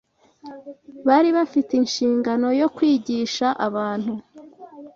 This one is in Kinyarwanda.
Bari bafite inshingano yo kwigisha abantu